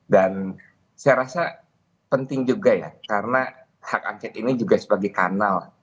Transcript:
dan saya rasa penting juga ya karena hak angket ini juga sebagai kanal